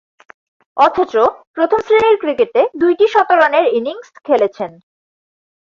অথচ, প্রথম-শ্রেণীর ক্রিকেটে দুইটি শতরানের ইনিংস খেলেছেন।